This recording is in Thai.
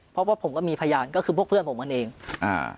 เพราะว่าผมก็มีพยานก็คือพวกเพื่อนผมกันเองอ่า